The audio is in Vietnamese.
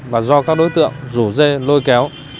và do các đối tượng rủ dê lôi kéo